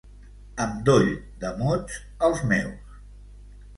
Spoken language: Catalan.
Amb doll de mots, els meus.